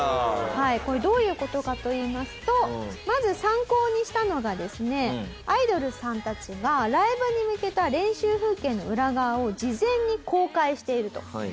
はいこれどういう事かといいますとまず参考にしたのがですねアイドルさんたちがライブに向けた練習風景の裏側を事前に公開していると。